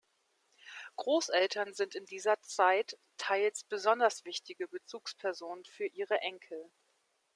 Großeltern sind in dieser Zeit teils besonders wichtige Bezugspersonen für ihre Enkel.